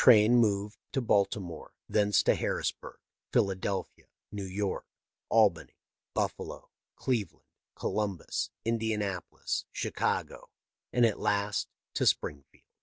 57 1 train moved to Baltimore, thence to Harrisburg, Philadelphia, New York, Albany, Buffalo, Cleve land, Columbus, Indianapolis, Chicago, and at last to Springfield.